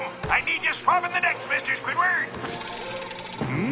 うん？